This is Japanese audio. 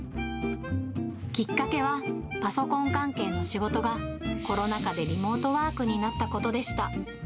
きっかけは、パソコン関係の仕事が、コロナ禍でリモートワークになったことでした。